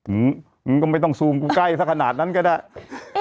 มึงก็ไม่ต้องซูมกูใกล้สักขนาดนั้นก็ได้